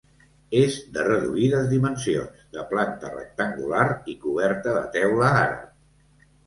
És de reduïdes dimensions, de planta rectangular i coberta de teula àrab.